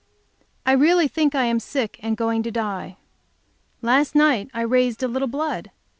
I really think I am sick and going to die. Last night I raised a little blood.